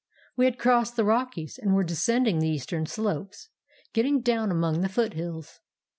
"We had crossed the Rockies, and were descending the eastern slopes, getting down among the foot hills.